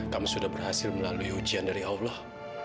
kami sudah berhasil melalui ujian dari allah